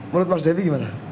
menurut pak devi gimana